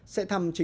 sẽ thăm chính thức